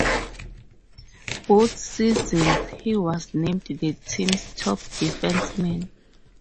Both seasons he was named the team's top defenceman.